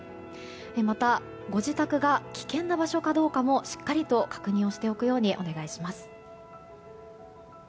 また、ご自宅が危険な場所かどうかもしっかりと確認をしておくようにお願いします。